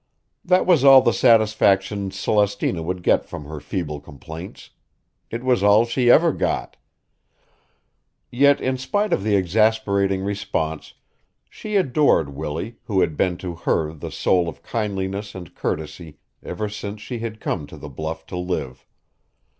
That was all the satisfaction Celestina would get from her feeble complaints; it was all she ever got. Yet in spite of the exasperating response she adored Willie who had been to her the soul of kindliness and courtesy ever since she had come to the bluff to live.